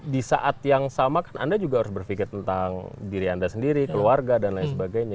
di saat yang sama kan anda juga harus berpikir tentang diri anda sendiri keluarga dan lain sebagainya